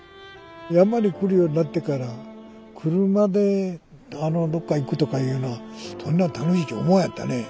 山に来るようになってから車であのどっか行くとかいうのはそんな楽しいっち思わんやったねえ。